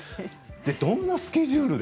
どんなスケジュールで？